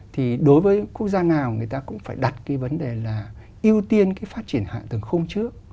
thì đối với quốc gia nào người ta cũng phải đặt cái vấn đề là ưu tiên cái phát triển hạ tầng khung trước